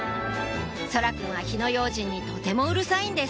蒼空くんは火の用心にとてもうるさいんです